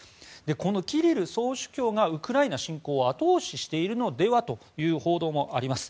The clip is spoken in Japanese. このキリル総主教がウクライナ侵攻を後押ししているのではという報道もあります。